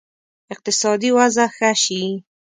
اقتصادي وضع ښه شي.